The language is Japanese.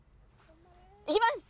いきます！